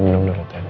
minum dulu tanya